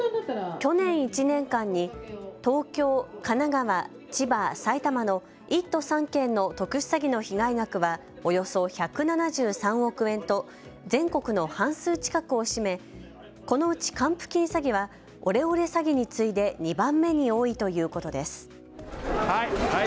去年１年間に東京、神奈川、千葉、埼玉の１都３県の特殊詐欺の被害額はおよそ１７３億円と全国の半数近くを占めこのうち還付金詐欺はオレオレ詐欺に次いで２番目に多いということです。